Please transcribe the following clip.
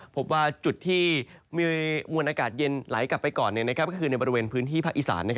พบว่าจุดที่มีมวลอากาศเย็นไหลกลับไปก่อนก็คือในบริเวณพื้นที่ภาคอีสาน